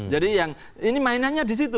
jadi yang ini mainannya disitu